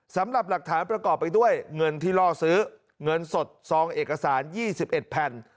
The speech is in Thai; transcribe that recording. สำหรับหลักฐานประกอบไปด้วยเงินที่ล่อซื้อเงินสดซองเอกสาร๒๑แผ่น